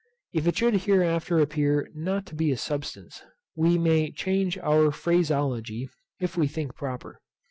If it should hereafter appear not to be a substance, we may change our phraseology, if we think proper.